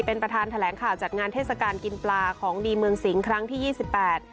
เป็นประธานแถลงข่าวจัดงานเทศกาลกินปลาของดีเมืองสิงครั้งที่ยี่สิบแปด